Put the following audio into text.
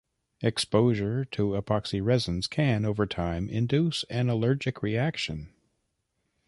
Exposure to epoxy resins can, over time, induce an allergic reaction.